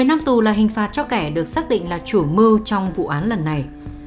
một mươi năm tù là hình phạt cho kẻ được xác định là chủ mưu trong vụ án lần này